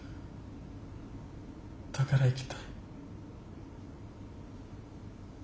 だから生きたい。